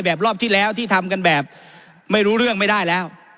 รอบที่แล้วที่ทำกันแบบไม่รู้เรื่องไม่ได้แล้ว